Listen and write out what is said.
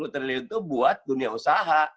satu ratus lima puluh triliun itu buat dunia usaha